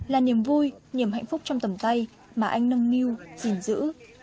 là niềm vui niềm hạnh phúc trong tầm tay mà anh nâng niu gìn giữ